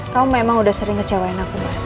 kamu memang udah sering ngecewain aku mas